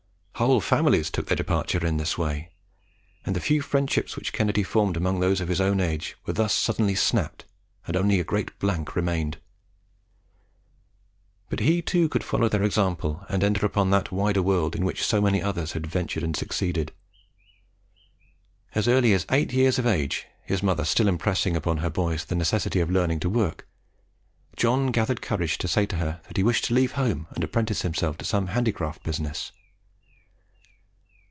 Whole families took their departure in this way, and the few friendships which Kennedy formed amongst those of his own age were thus suddenly snapped, and only a great blank remained. But he too could follow their example, and enter upon that wider world in which so many others had ventured and succeeded. As early as eight years of age, his mother still impressing upon her boys the necessity of learning to work, John gathered courage to say to her that he wished to leave home and apprentice himself to some handicraft business.